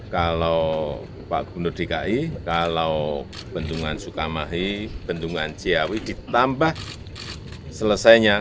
kalau pak gubernur dki kalau bendungan sukamahi bendungan ciawi ditambah selesainya